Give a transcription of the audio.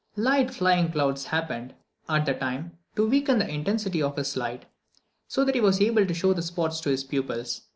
Light flying clouds happened, at the time, to weaken the intensity of his light, so that he was able to show the spots to his pupils.